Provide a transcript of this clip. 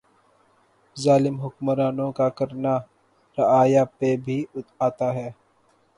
ظالم حکمرانوں کا کرنا رعایا پہ بھی آتا ھے